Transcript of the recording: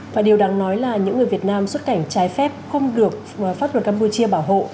và điều đáng nói là những người việt nam xuất cảnh trái phép không được pháp luật campuchia bảo hộ